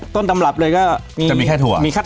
ต้นตำรับเลยก็จะมีแค่ถั่ว